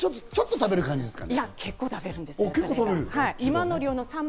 食前にちょっと食べる感じですか？